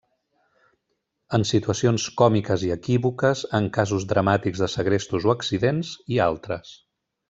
En situacions còmiques i equívoques, en casos dramàtics de segrestos o accidents, i altres.